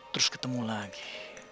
terus ketemu lagi